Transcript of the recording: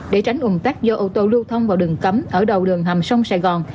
để tránh ủng tắc do ô tô lưu thông vào đường cấm ở đầu đường hầm sông sài gòn